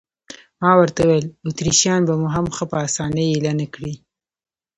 ما ورته وویل: اتریشیان به مو هم ښه په اسانۍ اېله نه کړي.